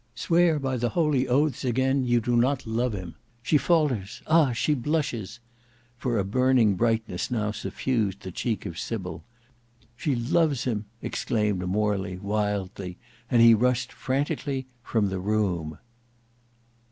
Swear by the holy oaths again you do not love him. She falters! Ah! she blushes!" For a burning brightness now suffused the cheek of Sybil. "She loves him," exclaimed Morley, wildly, and he rushed franticly from the room.